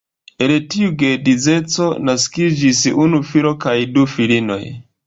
El tiu geedzeco naskiĝis unu filo kaj du filinoj.